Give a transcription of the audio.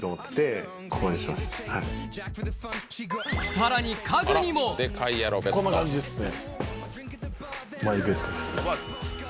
さらに家具にもこんな感じですね。